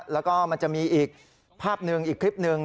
แล้วก็มันจะมีอีกภาพหนึ่งอีกคลิปหนึ่ง